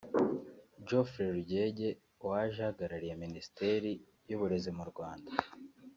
Jeofrey Rugege waje ahagarariye Minisiteri y’Uburezi mu Rwanda